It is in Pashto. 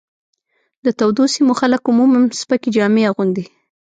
د تودو سیمو خلک عموماً سپکې جامې اغوندي.